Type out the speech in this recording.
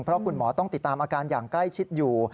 เพราะคุณหมอต้องติดตามอาการอย่างใกล้ชิดอยู่